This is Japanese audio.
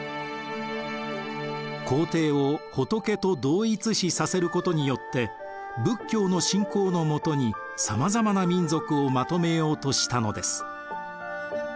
皇帝を仏と同一視させることによって仏教の信仰のもとにさまざまな民族をまとめようとしたのです。